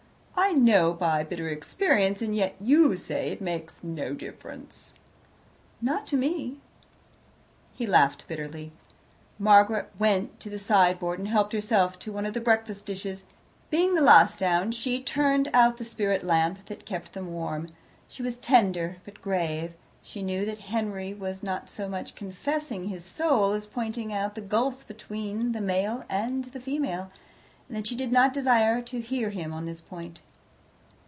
I know by bitter experience, and yet you say it makes 'no difference.'" "Not to me." He laughed bitterly. Margaret went to the side board and helped herself to one of the breakfast dishes. Being the last down, she turned out the spirit lamp that kept them warm. She was tender, but grave. She knew that Henry was not so much confessing his soul as pointing out the gulf between the male soul and the female, and she did not desire to hear him on this point.